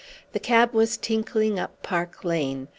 The cab was tinkling up Park Lane.